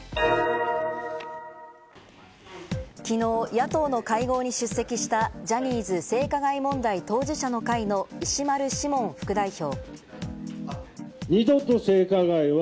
きのう野党の会合に出席したジャニーズ性加害問題当事者の会の石丸志門副代表。